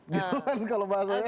gitu kan kalau bahasanya